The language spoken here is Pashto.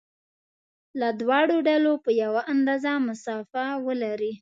له دواړو ډلو په یوه اندازه مسافه ولري.